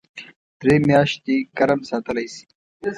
درې میاشتې ګرم ساتلی شي .